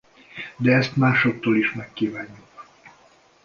De ezt másoktól is megkívánjuk.